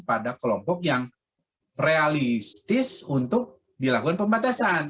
pada kelompok yang realistis untuk dilakukan pembatasan